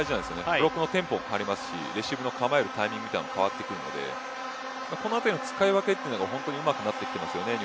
ブロックのテンポも変わりますしレシーブのタイミングも変わってくるのでこのあたりの使い分けが、本当にうまくなってきていますよね。